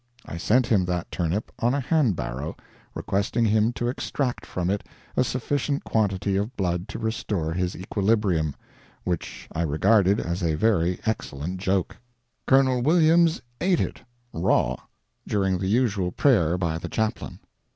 I sent him that turnip on a hand barrow, requesting him to extract from it a sufficient quantity of blood to restore his equilibrium—which I regarded as a very excellent joke. Col. Williams ate it (raw) during the usual prayer by the chaplain.